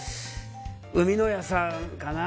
海のやさんかな。